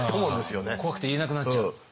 怖くて言えなくなっちゃう。